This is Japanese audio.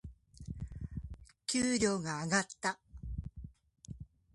給料が上がった。